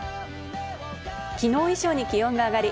昨日以上に気温が上がり、